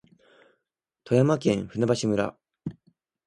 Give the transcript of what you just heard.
富山県舟橋村